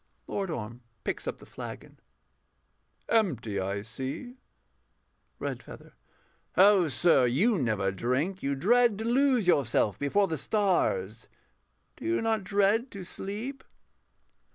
LORD ORM [picks up the flagon]. Empty, I see. REDFEATHER. Oh sir, you never drink. You dread to lose yourself before the stars Do you not dread to sleep?